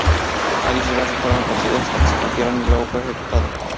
Allí sus brazos fueron torcidos hasta que se rompieron, y luego fue ejecutado.